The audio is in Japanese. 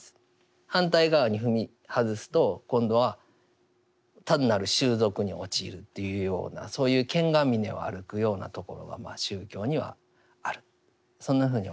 反対側に踏み外すと今度は単なる習俗に陥るというようなそういう剣が峰を歩くようなところが宗教にはあるそんなふうに思います。